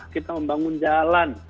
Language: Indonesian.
kita membangun jalan